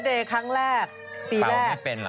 เค้กันเลย